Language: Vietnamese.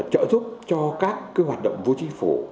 trợ giúp cho các hoạt động vô chính phủ